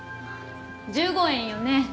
１５円よね？